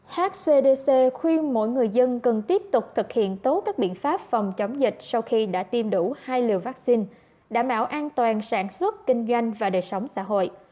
hcdc khuyên mỗi người dân cần tiếp tục thực hiện tốt các biện pháp phòng chống dịch sau khi đã tiêm đủ hai liều vaccine đảm bảo an toàn sản xuất kinh doanh và đời sống xã hội